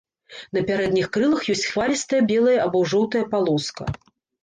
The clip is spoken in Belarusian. На пярэдніх крылах ёсць хвалістая белая або жоўтая палоска.